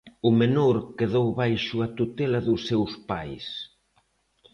O menor quedou baixo a tutela dos seus pais.